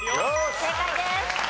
正解です。